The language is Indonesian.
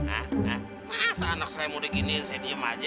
masa anak saya mau diginiin saya diem aja